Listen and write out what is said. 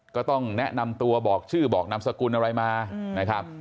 ก็ต้องแนะนำตัวบอกชื่อบอกนามสกุลอะไรมานะครับ